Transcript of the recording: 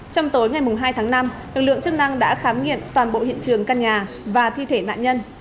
trong tối ngày hai tháng năm lực lượng chức năng đã khám nghiện toàn bộ hiện trường căn nhà và thi thể nạn nhân